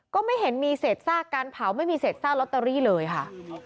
ก็ไม่เห็นมีเศษซากการเผาไม่มีเศษซากลอตเตอรี่เลยค่ะ